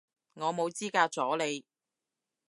我冇資格阻你